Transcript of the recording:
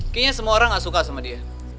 kayaknya semua orang gak suka sama dia